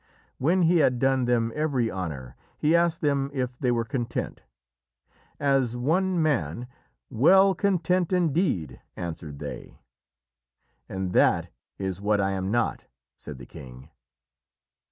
When he had done them every honour, he asked them if they were content. As one man: "Well content indeed!" answered they. "And that is what I am not," said the king.